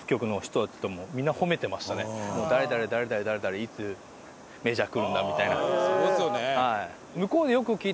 誰々誰々誰々いつメジャー来るんだ？みたいな。